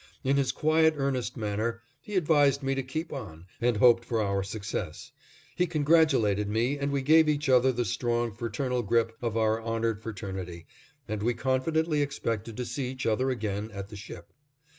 In his quiet, earnest manner, he advised me to keep on, and hoped for our success; he congratulated me and we gave each other the strong, fraternal grip of our honored fraternity and we confidently expected to see each other again at the ship.